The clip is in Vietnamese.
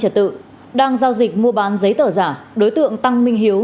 tiếp tục đang giao dịch mua bán giấy tờ giả đối tượng tăng minh hiếu